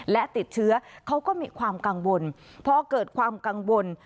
และติดเชื้อเขาก็มีความกังวลพอเกิดความกังวล